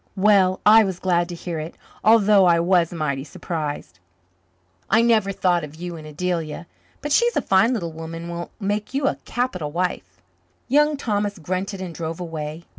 Well, I was glad to hear it, although I was mighty surprised. I never thought of you and Adelia. But she's a fine little woman and will make you a capital wife." Young Thomas grunted and drove away.